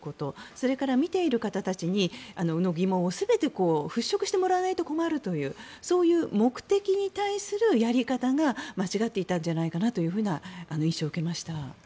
それから見ている方たちの疑問を全て払しょくしてもらわないと困るというそういう目的に対するやり方が間違っていたんじゃないかなという印象を受けました。